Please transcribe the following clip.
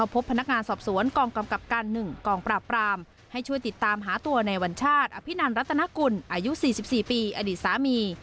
พบพนักงานสอบสวนกองกำกับการ๑กองปราบปรามให้ช่วยติดตามหาตัวในวัญชาติอภินันรัตนกุลอายุ๔๔ปีอดีตสามี